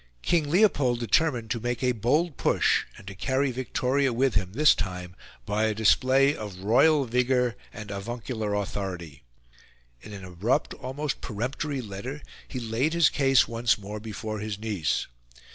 King Leopold determined to make a bold push, and to carry Victoria with him, this time, by a display of royal vigour and avuncular authority. In an abrupt, an almost peremptory letter, he laid his case, once more, before his niece.